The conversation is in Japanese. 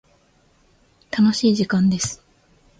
楽しい時間です。